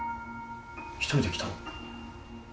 １人で来たの？